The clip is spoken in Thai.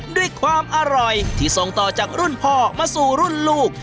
ด้วยความอร่อยที่ส่งต่อจากรุ่นพ่อมาสู่รุ่นลูก